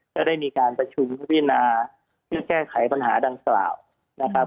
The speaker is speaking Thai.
จะได้มีการประชุมพิวเบอย์นาที่แก้ไขปัญหาดังสลาวนะครับ